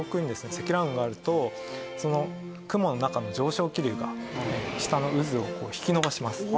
積乱雲があると雲の中の上昇気流が下の渦を引き伸ばします。